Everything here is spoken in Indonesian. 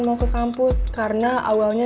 mau ke kampus karena awalnya